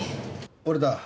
俺だ。